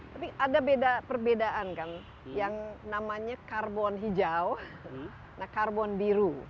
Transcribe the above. tapi ada perbedaan kan yang namanya karbon hijau nah karbon biru